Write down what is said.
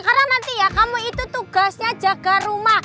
karena nanti ya kamu itu tugasnya jaga rumah